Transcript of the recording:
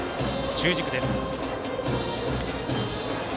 中軸です。